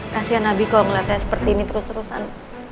kasian abi kalo ngeliat saya seperti ini terus terusan